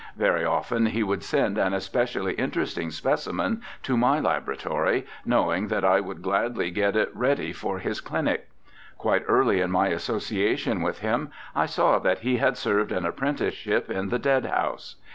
Very often he would send an especially interesting specimen to my laboratory, knowing that I would gladly get it ready for his clinic. Quite early in my association with him I saw that he had served an apprenticeship in the dead house.